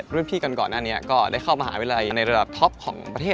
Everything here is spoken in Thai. พี่กันก่อนหน้านี้ก็ได้เข้ามหาวิทยาลัยในระดับท็อปของประเทศ